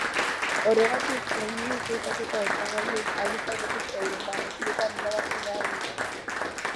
Horregatik, lehen ministro izateko hautagaiek aldez aurretik euren barrutietan irabazi behar dute.